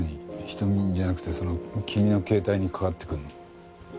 仁美じゃなくて君の携帯にかかってくるの？